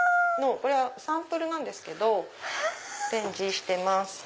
これはサンプルなんですけど展示してます。